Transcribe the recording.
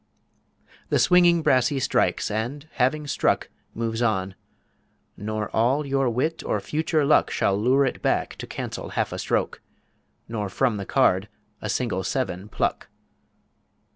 The swinging Brassie strikes; and, having struck, Moves on: nor all your Wit or future Luck Shall lure it back to cancel half a Stroke, Nor from the Card a single Seven pluck.